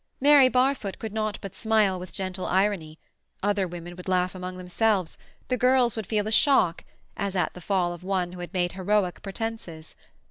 Mary Barfoot could not but smile with gentle irony; other women would laugh among themselves; the girls would feel a shock, as at the fall of one who had made heroic pretences.